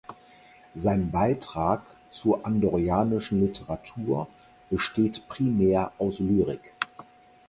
Sein Beitrag zur andorranischen Literatur besteht primär aus Lyrik.